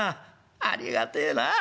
ありがてえなあ。